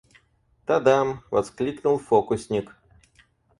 «Тадам!» — воскликнул фокусник.